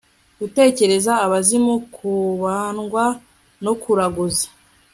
guterekera abazimu, kubandwa no kuraguza